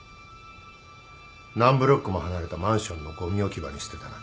何ブロックも離れたマンションのごみ置き場に捨てたな。